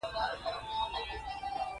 • بادام د عضلاتو لپاره غوره خواړه دي.